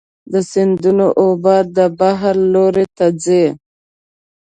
د سیندونو اوبه د بحر لور ته ځي.